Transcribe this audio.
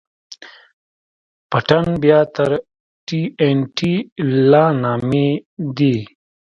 پټن بيا تر ټي ان ټي لا نامي دي.